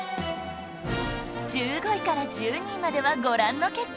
１５位から１２位まではご覧の結果に